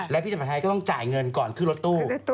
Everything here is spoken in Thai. แล้วพี่จะผัดไทยก็ต้องจ่ายเงินก่อนขึ้นรถตู้